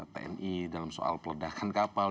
tni dalam soal peledakan kapal